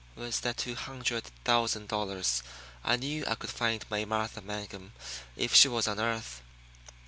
With that two hundred thousand dollars I knew I could find May Martha Mangum if she was on earth.